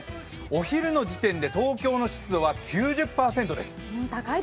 お昼の時点で東京の湿度は９０％です